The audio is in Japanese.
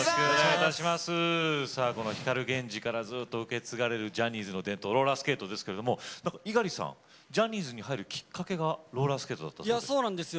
光ＧＥＮＪＩからずっと受け継がれるジャニーズの伝統ローラースケートですけれども猪狩さん、ジャニーズに入るきっかけがローラースケートだったそうですね。